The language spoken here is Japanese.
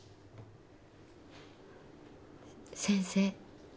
先生。